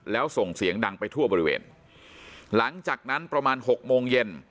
แล้วส่งเสียงดังไปทั่วบริเวณหลังจากนั้นประมาณหกโมงเย็น